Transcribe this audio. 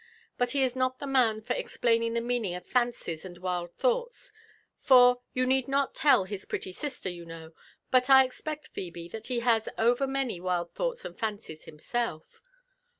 But he is not the man for explaining the meaning of fancies and wild thoughts; for, you need not tell his pretty sister, you know — but I expect, Phebe, that he has over many wild thoughts and fancies himself."